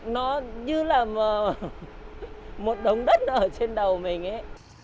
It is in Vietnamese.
nó như là một đồng đất ở trên đầu mình ấy